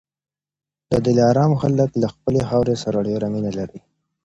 د دلارام خلک له خپلي خاورې سره ډېره مینه لري.